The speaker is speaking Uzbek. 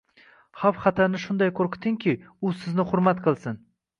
Xavf-xatarni shunday qo’rqitingki, u sizni hurmat qilsin.